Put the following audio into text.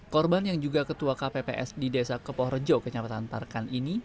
korban yang juga ketua kpps di desa kepoh rejo kecamatan tarkan ini